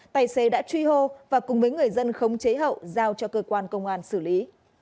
tài xế đã truy hô và cùng với người dân khống chế hậu giao cho cơ quan công an xử lý